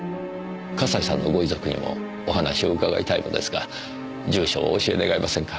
笠井さんのご遺族にもお話を伺いたいのですが住所をお教え願えませんか？